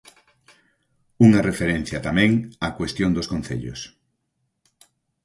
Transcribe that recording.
Unha referencia tamén á cuestión dos concellos.